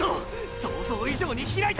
想像以上にひらいた！！